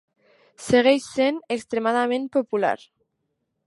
Segueix essent extremadament popular.